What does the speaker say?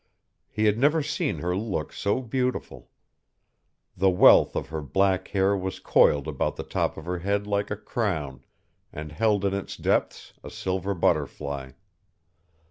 He had never seen her look so beautiful. The wealth of her black hair was coiled about the top of her head like a crown, and held in its depths a silver butterfly.